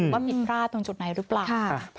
ผิดพลาดตรงจุดไหนหรือเปล่า